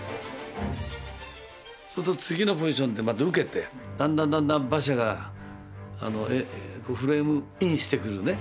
そうすると次のポジションでまた受けてだんだんだんだん馬車がフレームインしてくるね